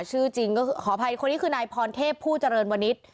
ชื่อจริงขออภัยคนนี้คือนายพรเทพภู่จเริญวณิศ